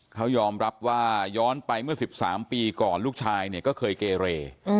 เขายอมรับว่าย้อนไปเมื่อ๑๓ปีก่อนลูกชายเนี่ยก็เคยเกเร